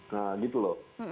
nah gitu loh